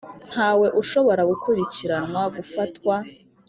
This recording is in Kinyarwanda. Ntawe ushobora gukurikiranwa, gufatwa,